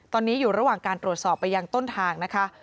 ตอนนี้อยู่ระหว่างการตรวจสอบไปยังต้นทางนะคะ